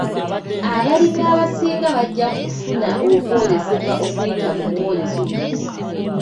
Abalimi abasinga bajja kufuna okwolesebwa okuyita mu mwoleso guno.